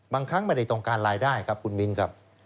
ครั้งไม่ได้ต้องการรายได้ครับคุณมิ้นครับ